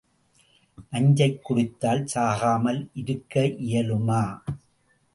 நஞ்சைக் குடித்தால் சாகாமல் இருக்க இயலுமா?